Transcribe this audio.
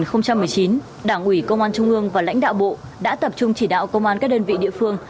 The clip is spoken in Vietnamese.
năm hai nghìn một mươi chín đảng ủy công an trung ương và lãnh đạo bộ đã tập trung chỉ đạo công an các đơn vị địa phương